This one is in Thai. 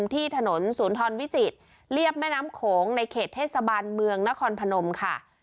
ที่ถนนศูนย์ทรวิจิตรเรียบแม่น้ำโขงในเขตเทศบาลเมืองนครพนมค่ะ